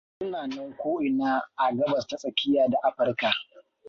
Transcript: Suna nan ko ina a Gabas ta Tsakiya da Afirka.